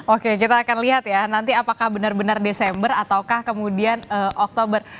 oke kita akan lihat ya nanti apakah benar benar desember ataukah kemudian oktober